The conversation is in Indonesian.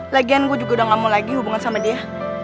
lagian gue juga udah gak mau lagi hubungan sama dia